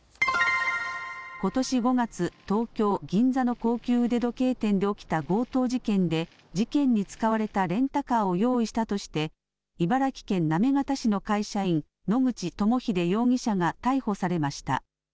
ことし５月、東京銀座の高級腕時計店で起きた強盗事件で事件に使われたレンタカーを用意したとして茨城県行方市の会社員、野口朋秀容疑者が逮捕されました。